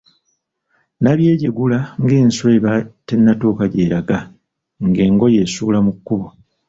Nabyejeeguula ng’enswa eba tennatuuka gy’eraga ng’engoye esuula mu kkubo.